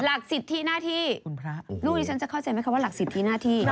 หลักสิทธิหน้าที่ลูกนี้ฉันจะเข้าใจไหมคะว่าหลักสิทธิหน้าที่